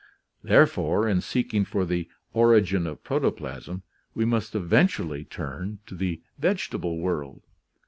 "Therefore, in seeking for the origin of protoplasm, we must eventually turn to the vegetable world.